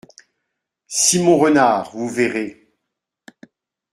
Simon Renard Vous verrez.